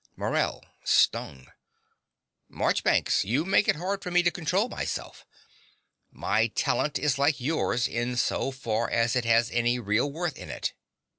MORELL (Stung). Marchbanks: you make it hard for me to control myself. My talent is like yours insofar as it has any real worth at all.